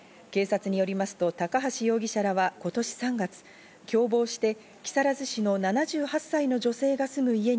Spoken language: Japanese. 警察によりますと高橋容疑者らは今年３月、共謀して木更津市の７８歳の女性が住む家に